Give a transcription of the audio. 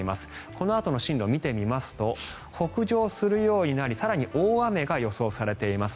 このあとの進路見てみますと北上するようになり更に、大雨が予想されています。